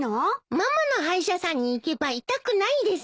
ママの歯医者さんに行けば痛くないです。